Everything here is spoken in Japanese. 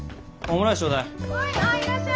オムライス。